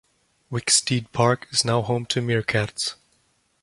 Wicksteed Park is now home to Meerkats.